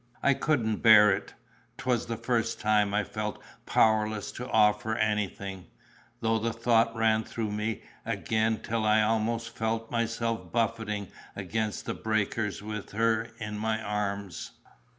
I couldn't bear it!—'twas the first time I'd felt powerless to offer anything; though the thought ran through me again till I almost felt myself buffeting among the breakers with her in my arms.